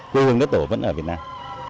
quê hương các tổ vẫn ở việt nam